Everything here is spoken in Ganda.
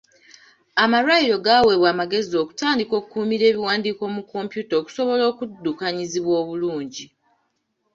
Amalwaliro gaweebwa amagezi okutandika okukuumira ebiwandiiko mu kompyuta okusobola okuddukanyizibwa obulungi.